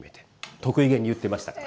得意げに言ってましたから。